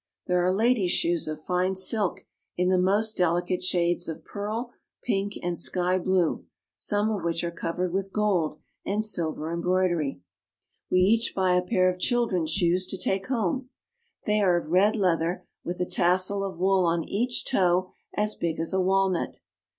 There are ladies' shoes of fine silk in the most delicate shades of pearl, pink, and sky blue, some of which are covered with AMONG THE MOHAMMEDANS. 37 1 gold and silver embroidery. We each buy a pair of chil dren's shoes to take home. They are of red leather, with a tassel of wool on each toe as big as a walnut.